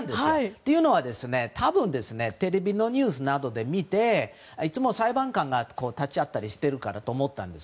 というのは、多分テレビのニュースなどで見ていつも裁判官が立ち会ったりしているからと思ったんです。